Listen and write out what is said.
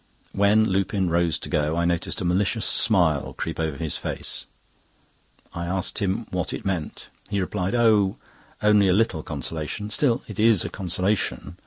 When Lupin rose to go I noticed a malicious smile creep over his face. I asked him what it meant. He replied: "Oh! only a little consolation—still it is a consolation.